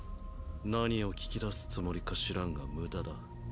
何を聞き出すつもりか知らんが無駄だ。